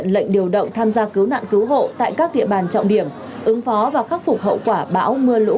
lệnh điều động tham gia cứu nạn cứu hộ tại các địa bàn trọng điểm ứng phó và khắc phục hậu quả bão mưa lũ